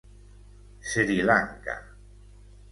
Sri Lanka.